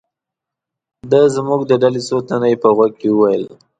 د زموږ د ډلې څو تنه یې په غوږ کې و ویل.